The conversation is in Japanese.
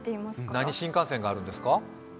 何新幹線があるんですか？